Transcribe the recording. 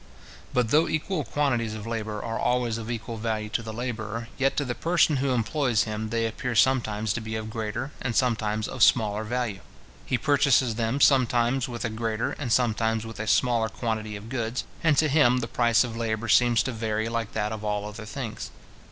But though equal quantities of labour are always of equal value to the labourer, yet to the person who employs him they appear sometimes to be of greater, and sometimes of smaller value. He purchases them sometimes with a greater, and sometimes with a smaller quantity of goods, and to him the price of labour seems to vary like that of all other things.